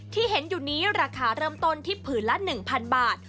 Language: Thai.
ที่เห็นอยู่นี้ราคาเริ่มต้นที่ผืนละ๑๐๐บาท